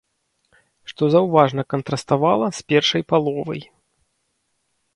Што заўважна кантраставала з першай паловай.